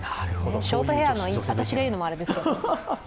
ショートヘアの私が言うのもあれですけど。